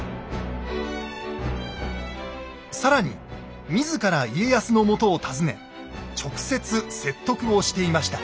更に自ら家康のもとを訪ね直接説得をしていました。